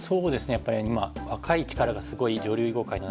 やっぱり若い力がすごい女流囲碁界の中で。